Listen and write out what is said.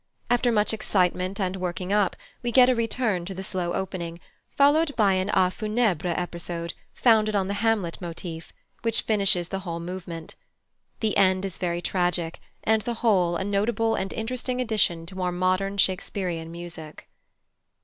After much excitement and working up, we get a return to the slow opening, followed by an à funèbre episode, founded on the Hamlet motive, which finishes the whole movement. The end is very tragic, and the whole a notable and interesting addition to our modern Shakespearian music.